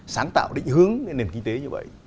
sáng tạo định hướng nền kinh tế như vậy